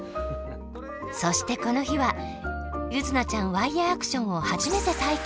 そしてこの日は柚凪ちゃんワイヤーアクションをはじめて体験。